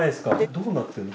どうなってるの？